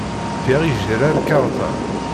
Pierre ijerra lkarṭa.